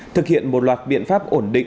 thực hiện một loạt biện pháp ổn định